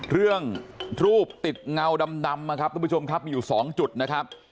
รูปติดเงาดำนะครับทุกผู้ชมครับมีอยู่๒จุดนะครับ